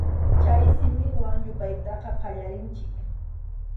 Chay simiwan yupaytaqa qallarinchik.